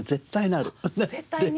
絶対に。